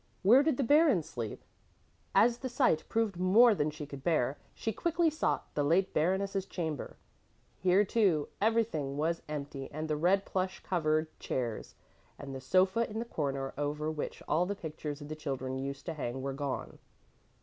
Where did the Baron sleep? As the sight proved more than she could bear, she quickly sought the late Baroness' chamber. Here, too, everything was empty and the red plush covered chairs and the sofa in the corner over which all the pictures of the children used to hang were gone.